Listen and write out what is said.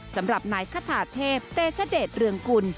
สำหรับนายคาถาเทพเตชเดชเรืองกุล